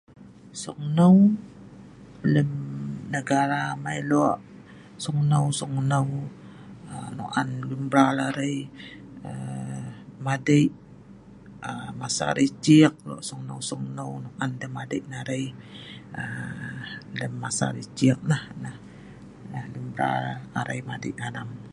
Sungneu lem negara amai lue' sungneu sungneu nok on luen mral arai madei' aa masa arai ciek lue' sungneu sungneu nok on deh madei' na'rai kan masa arai ciek nah luen mral arai madei' alam.